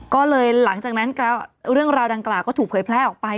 ก็เลยหลังจากนั้นเรื่องราวดังกล่าวก็ถูกเผยแพร่ออกไป